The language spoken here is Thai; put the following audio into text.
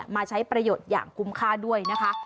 มาใช้ประโยชน์อย่างคุ้มค่าด้วยนะคะ